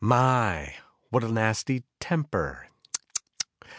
"My, what a nasty temper.